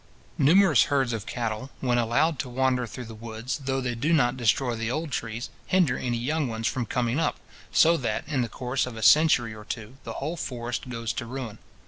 Numerous herds of cattle, when allowed to wander through the woods, though they do not destroy the old trees, hinder any young ones from coming up; so that, in the course of a century or two, the whole forest goes to ruin.